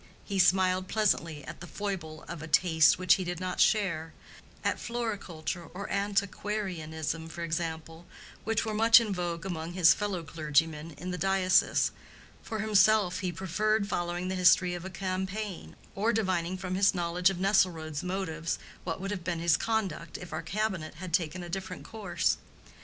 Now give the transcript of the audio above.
He smiled pleasantly at the foible of a taste which he did not share—at floriculture or antiquarianism for example, which were much in vogue among his fellow clergyman in the diocese: for himself, he preferred following the history of a campaign, or divining from his knowledge of Nesselrode's motives what would have been his conduct if our cabinet had taken a different course.